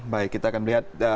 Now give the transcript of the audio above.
baik kita akan melihat